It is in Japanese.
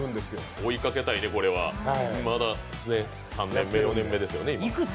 追いかけたいね、まだ３年目、４年目ですよね。